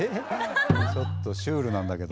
ちょっとシュールなんだけど。